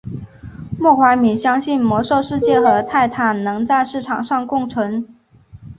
莫怀米相信魔兽世界和泰坦能在市场上共存。